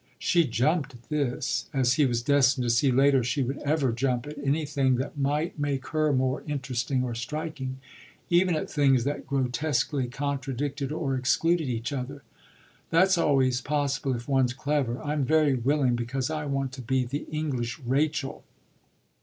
She jumped at this, as he was destined to see later she would ever jump at anything that might make her more interesting or striking; even at things that grotesquely contradicted or excluded each other. "That's always possible if one's clever. I'm very willing, because I want to be the English Rachel."